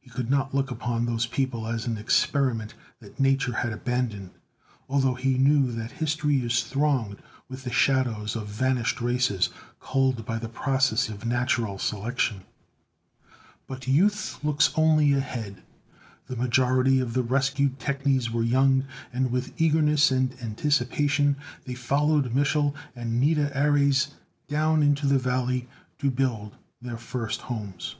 He could not look upon these people as an experiment that Nature had abandoned, although he knew that history is thronged with the shadows of vanished races, culled by the process of natural selection. But Youth looks only ahead. The majority of the rescued technies were young, and with eagerness and anticipation, they followed Mich'l and Nida Ares down into the valley to build their first homes.